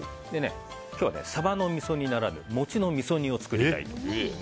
今日は、サバのみそ煮ならぬ餅のみそ煮を作りたいと思います。